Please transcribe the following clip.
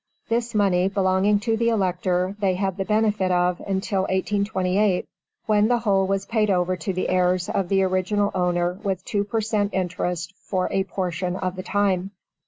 This money, belonging to the Elector, they had the benefit of until 1828, when the whole was paid over to the heirs of the original owner with two per cent. interest for a portion of the time.